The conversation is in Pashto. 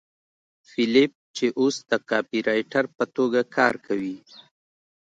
فیلیپ چې اوس د کاپيرایټر په توګه کار کوي